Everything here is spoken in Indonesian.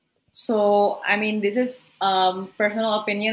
atau apa yang kita sedang berusaha untuk